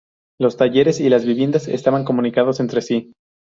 Los talleres y las viviendas estaban comunicados entre sí.